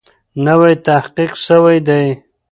نوی تحقیق سوی دی.